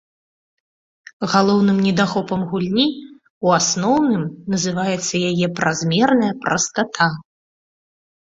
Галоўным недахопам гульні ў асноўным называецца яе празмерная прастата.